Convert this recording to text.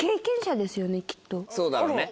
そうだろうね。